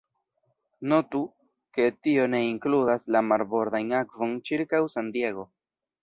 Notu ke tio ne inkludas la marbordajn akvon ĉirkaŭ San Diego.